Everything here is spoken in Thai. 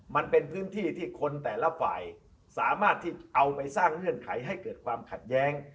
มันเป็นพื้นที่ที่คนแต่ละฝ่ายสามารถที่เอาไปสร้างเงื่อนไขให้เกิดความขัดแย้ง